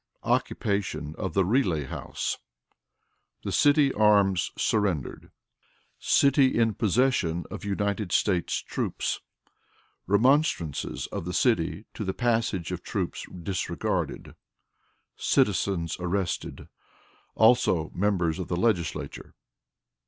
Occupation of the Relay House. The City Arms surrendered. City in Possession of United States Troops. Remonstrances of the City to the Passage of Troops disregarded. Citizens arrested; also, Members of the Legislature.